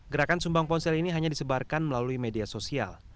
gerakan sumbang ponsel ini hanya disebarkan melalui media sosial